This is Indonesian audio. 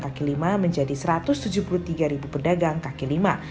kaki lima menjadi satu ratus tujuh puluh tiga pedagang kaki lima